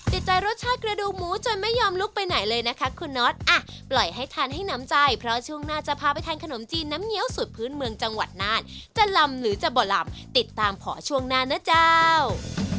ติดใจรสชาติกระดูกหมูจนไม่ยอมลุกไปไหนเลยนะคะคุณน็อตอ่ะปล่อยให้ทานให้น้ำใจเพราะช่วงหน้าจะพาไปทานขนมจีนน้ำเงี้ยวสูตรพื้นเมืองจังหวัดน่านจะลำหรือจะบ่ลำติดตามขอช่วงหน้านะเจ้า